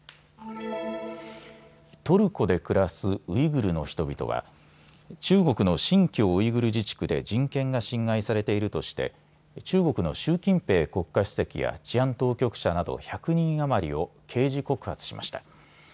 トルコで暮らすウイグルの人々は中国の新疆ウイグル自治区で人権が侵害されているとして中国の習近平国家主席や治安当局者など１００人余りを刑事告発しました。